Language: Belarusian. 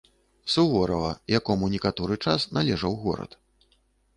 Суворава, якому некаторы час належаў горад.